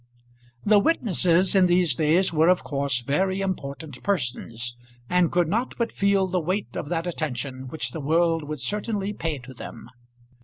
The witnesses in these days were of course very important persons, and could not but feel the weight of that attention which the world would certainly pay to them.